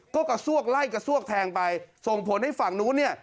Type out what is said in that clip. ก็กระซวกไล่กระซวกแทงไปส่งผลให้ฝั่งนู้นเนี่ย